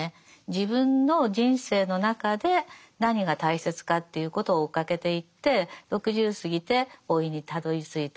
自分の人生の中で何が大切かということを追っかけていって６０過ぎて老いにたどりついた。